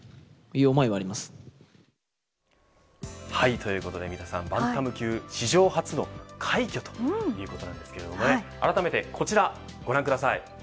ということで三田さんバンタム級史上初の快挙ということなんですけれどもあらためてこちらご覧ください。